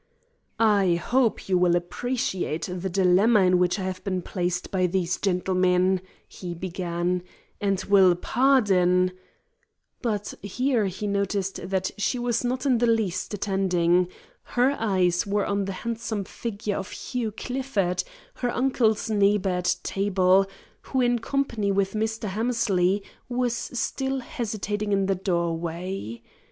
"I hope you will appreciate the dilemma in which I have been placed by these gentlemen," he began, "and will pardon " But here he noticed that she was not in the least attending; her eyes were on the handsome figure of Hugh Clifford, her uncle's neighbour at table, who in company with Mr. Hammersley was still hesitating in the doorway.